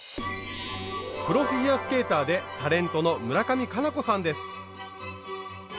プロフィギュアスケーターでタレントの村上佳菜子さんです。